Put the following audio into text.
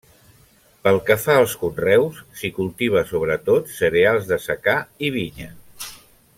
Pel que fa als conreus, s'hi cultiva sobretot cereals de secà i vinya.